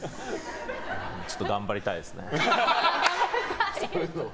ちょっと頑張りたいですね。